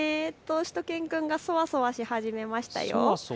しゅと犬くんがそわそわし始めましたよ。